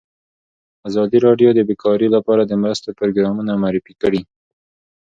ازادي راډیو د بیکاري لپاره د مرستو پروګرامونه معرفي کړي.